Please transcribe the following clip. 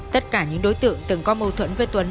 tất cả những đối tượng từng có mâu thuẫn với tuấn